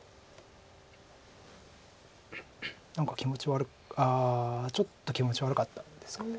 何かああちょっと気持ち悪かったんですか。